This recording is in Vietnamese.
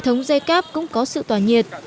hệ thống dây cát cũng có sự tỏa nhiệt